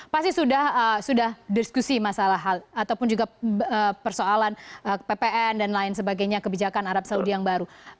pasti sudah diskusi masalah hal ataupun juga persoalan ppn dan lain sebagainya kebijakan arab saudi yang baru